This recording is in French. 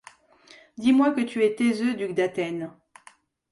Dis-moi que tu es Theseus, duc d’Athènes.